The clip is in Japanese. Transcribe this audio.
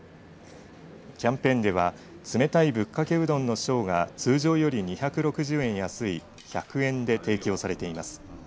キャンペーンでは冷たいぶっかけうどんの小が通常より２６０円安い１００円で提供されています。